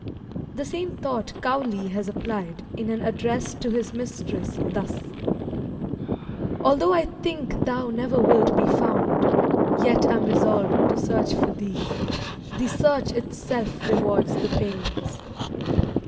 The same thought Cowley has applied, in an address to his mistress, thus "Although I think thou never wilt be found, Yet I'm resolved to search for thee: The search itself rewards the pains.